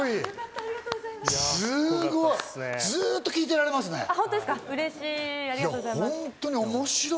ずっと聴いてられますね。